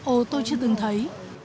ồ tôi chưa từng thấy